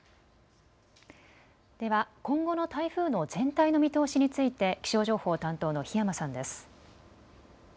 では今後の台風の全体の見通しについて気象情報担当の檜山さんです。